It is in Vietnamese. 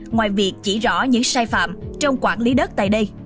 ngoài việc chỉ rõ những sai phạm trong quản lý đất tại đây